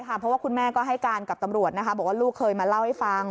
เพราะว่าคุณแม่ก็ให้การกับตำรวจบอกว่าลูกเคยมาเล่าให้ฟัง